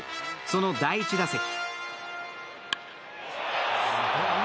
その第１打席。